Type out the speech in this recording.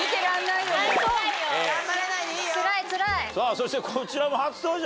そしてこちらも初登場。